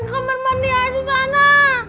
ke kamar kamar dia di sana